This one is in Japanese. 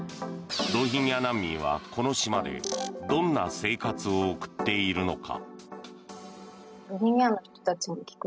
ロヒンギャ難民はこの島でどんな生活を送っているのか。